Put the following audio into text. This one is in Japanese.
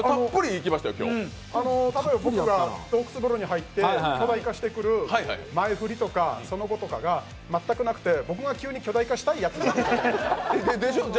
いやいや、例えば僕が洞窟風呂に入って出てくるときの前振りとかその後とかが全くなくて僕が急に巨大化した。